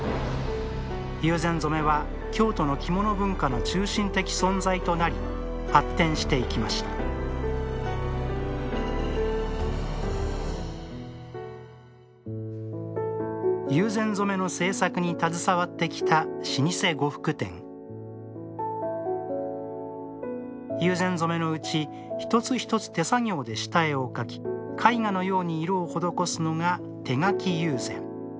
友禅染は京都の着物文化の中心的存在となり発展していきました友禅染の製作に携わってきた老舗呉服店友禅染のうち一つ一つ手作業で下絵を描き絵画のように色を施すのが手描き友禅。